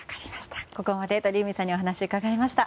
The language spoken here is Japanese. ここまで、鳥海さんにお話を伺いました。